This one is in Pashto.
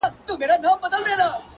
خو ګوره حوصله مې چې تېشه نۀ ږدمه زۀ